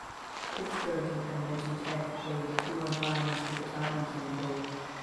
Pittsburgh and Carnegie Tech played two more times with the Tartans winning both.